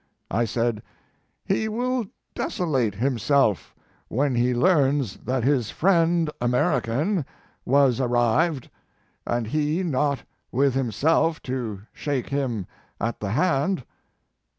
I said, "He will desolate himself when he learns that his friend American was ar rived, and he not with himself to shake him at the hand."